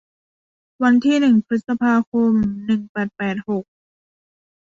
วันที่หนึ่งพฤษภาคม หนึ่งแปดแปดหก